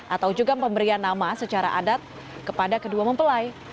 atau juga pemberian nama secara adat kepada kedua mempelai